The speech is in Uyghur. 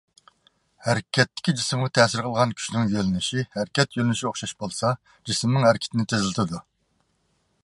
ھەرىكەتتىكى جىسىمغا تەسىر قىلغان كۈچنىڭ يۆنىلىشى ھەرىكەت يۆنىلىشىگە ئوخشاش بولسا، جىسىمنىڭ ھەرىكىتىنى تېزلىتىدۇ.